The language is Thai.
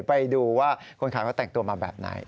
ไปดูว่าคนขายเขาแต่งตัวมาแบบไหน